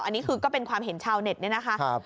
อันนี้คือก็เป็นความเห็นชาวเน็ตเนี่ยนะคะ